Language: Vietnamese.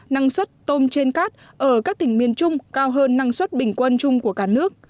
năng suất tôm trên cát ở các tỉnh miền trung cao hơn năng suất bình quân chung của cả nước